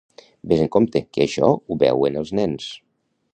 Ves en compte que això ho veuen els nens.